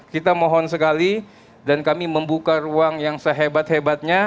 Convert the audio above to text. kita mohon sekali dan kami membuka ruang yang sehebat hebatnya